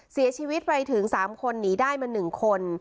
เสียชีวิตไปถึงสามคนหนีได้มาหนึ่งคน